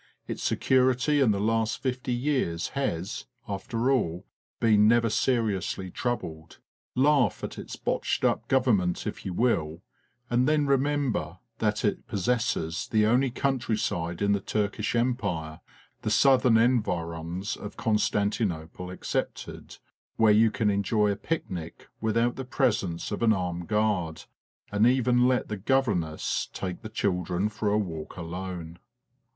Its security in the last fifty years has, after all, been never seriously troubled. Laugh at its botched up Government if you will, and then remember that it possesses the only countryside in the Turkish Empire, the southern environs of Constantinople excepted, FORGOTTEN WARFARE 75 where you can enjoy a picnic without the presence of an armed guard, and even let the governess take the children for a walk alone.